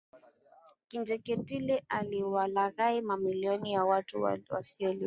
Kinjekitile aliwalaghai mamilioni ya watu wasioelimika